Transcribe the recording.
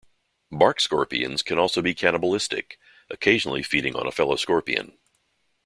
Bark scorpions can also be cannibalistic, occasionally feeding on a fellow scorpion.